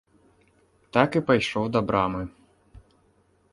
Так і пайшоў да брамы.